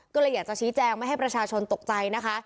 ก็เลยอยากจะชี้แจงไม่ให้ประชาชนตกใจนะคะ